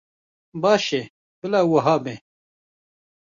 Baş e, bila wiha be.